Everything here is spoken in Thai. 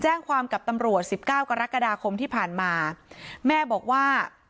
แจ้งความกับตำรวจสิบเก้ากรกฎาคมที่ผ่านมาแม่บอกว่า